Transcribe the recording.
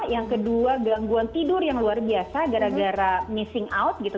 yang kedua gangguan tidur yang luar biasa gara gara missing out gitu